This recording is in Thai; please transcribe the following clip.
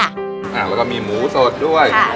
แล้วก็มีหมูสดด้วย